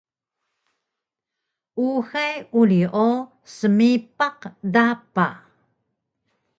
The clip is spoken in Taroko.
uxay uri o smipaq dapa